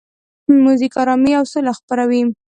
موزیک آرامي او سوله خپروي.